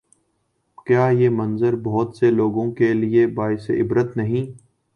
کیا یہ منظر بہت سے لوگوں کے لیے باعث عبرت نہیں؟